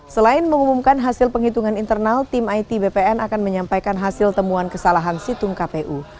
selain mengumumkan hasil penghitungan internal tim it bpn akan menyampaikan hasil temuan kesalahan situng kpu